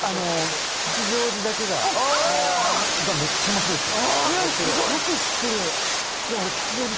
「吉祥寺だけが」はめっちゃ面白いですよ。